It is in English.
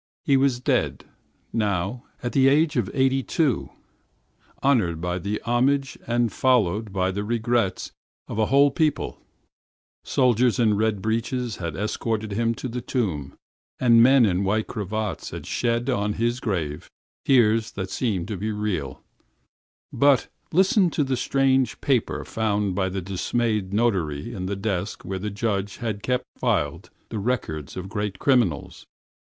He was dead, now, at the age of eighty two, honored by the homage and followed by the regrets of a whole people. Soldiers in red trousers had escorted him to the tomb and men in white cravats had spoken words and shed tears that seemed to be sincere beside his grave. But here is the strange paper found by the dismayed notary in the desk where he had kept the records of great criminals!